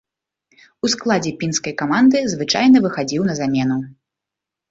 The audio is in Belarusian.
У складзе пінскай каманды звычайна выхадзіў на замену.